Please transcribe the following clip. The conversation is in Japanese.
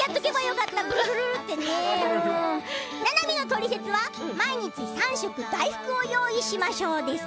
ななみのトリセツは毎日３食大福を用意しましょうです。